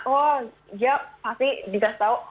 oh ya pasti bisa tahu